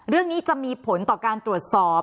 เรื่องนี้จะมีผลต่อการตรวจสอบ